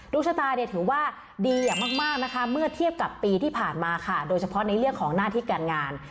ชะตาเนี่ยถือว่าดีอย่างมากนะคะเมื่อเทียบกับปีที่ผ่านมาค่ะโดยเฉพาะในเรื่องของหน้าที่การงาน